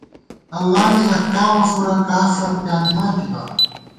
اللہ نی احکامہ فُورہ کافَر پیانِمان تِبا